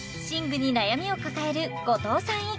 寝具に悩みを抱える後藤さん